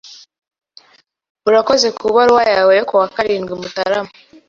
Urakoze kubaruwa yawe yo kuwa karindwi Mutarama.